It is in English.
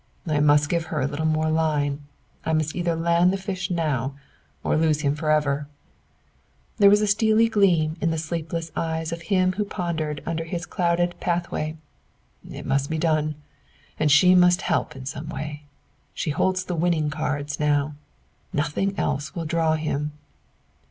"I must give him a little more line! And I must either land the fish now or lose him forever." There was a steely gleam in the sleepless eyes of him who pondered upon his clouded pathway. "It must be done! And she must help in some way. She holds the winning cards now. Nothing else will draw him!"